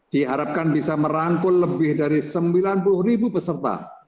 diharapkan bisa merangkul lebih dari sembilan puluh ribu peserta